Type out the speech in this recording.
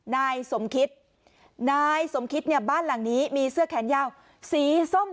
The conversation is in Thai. นายสมคิดนายสมคิดเนี่ยบ้านหลังนี้มีเสื้อแขนยาวสีส้ม